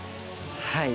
はい。